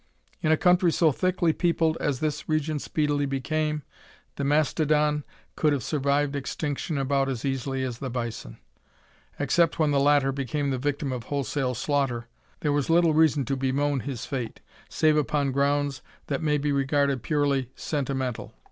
In a country so thickly peopled as this region speedily became, the mastodon could have survived extinction about as easily as the bison. Except when the latter became the victim of wholesale slaughter, there was little reason to bemoan his fate, save upon grounds that may be regarded purely sentimental.